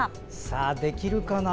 さあ、できるかな？